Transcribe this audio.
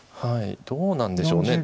はいどうなんでしょう。